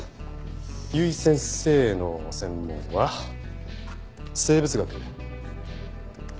由井先生の専門は生物学。